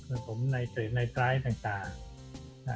ผลสมน้อยเตรียมนายตรายต่าง